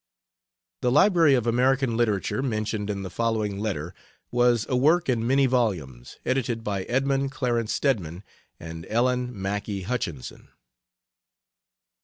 The Library of American Literature, mentioned in the following letter, was a work in many volumes, edited by Edmund Clarence Stedman and Ellen Mackay Hutchinson.